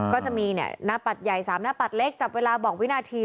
ก็จะมีหน้าปัดใหญ่๓หน้าปัดเล็กจับเวลาบอกวินาที